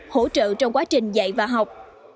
hỗ trợ trong quá trình dạy và học